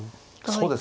そうですね。